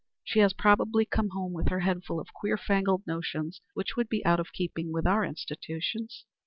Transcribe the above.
She has probably come home with her head full of queer fangled notions which would be out of keeping with our institutions.